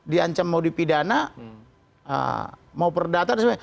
diancam mau dipidana mau perdata